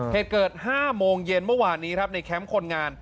เหตุเกิด๕โมงเย็นเมื่อวานนี้ครับในแคมป์คนงาน